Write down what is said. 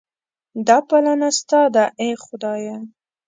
دا پالنه ستا ده ای خدایه.